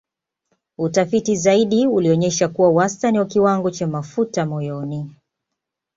Utafiti zaidi ulionyesha kuwa wastani wa kiwango cha mafuta moyoni